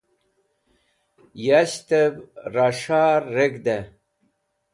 Yashtev Ra S̃har Reg̃hde